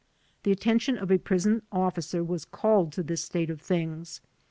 The attention of a prison officer was called to this state of things.